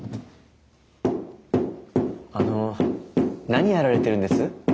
あの何やられてるんです？